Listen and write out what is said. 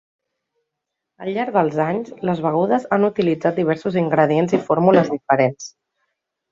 Al llarg dels anys, les begudes han utilitzat diversos ingredients i fórmules diferents.